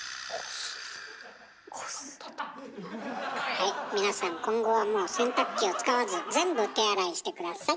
はい皆さん今後はもう洗濯機を使わず全部手洗いして下さい。